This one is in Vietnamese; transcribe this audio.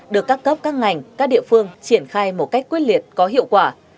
được các cấp các ngành các địa phương triển khai một cách quyết liệt có hiệu quả